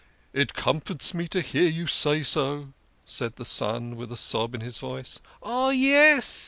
It comforts me to hear you say so," said the son, with a sob in his voice. " Ah, yes